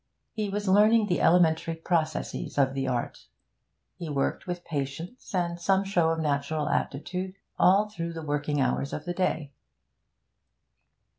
He was learning the elementary processes of the art. He worked with patience, and some show of natural aptitude, all through the working hours of the day.